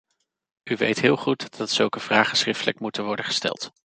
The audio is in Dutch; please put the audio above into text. U weet heel goed dat zulke vragen schriftelijk moeten worden gesteld.